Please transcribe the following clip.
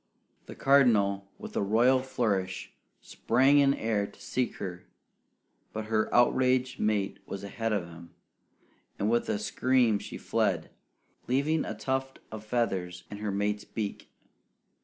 The Cardinal, with a royal flourish, sprang in air to seek her; but her outraged mate was ahead of him, and with a scream she fled, leaving a tuft of feathers in her mate's beak.